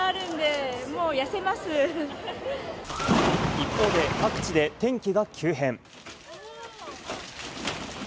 一方で各地で天気が急変。